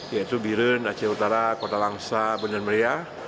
yaitu biren aceh utara kota langsa bundan meriah